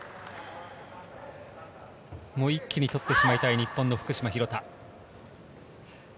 一気にとってしまいたい日本の福島・廣田。